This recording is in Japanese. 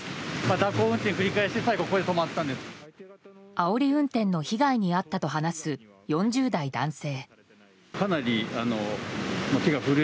あおり運転の被害に遭ったと話す４０代男性。